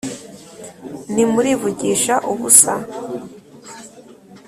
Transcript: nti "murivugisha ubusa,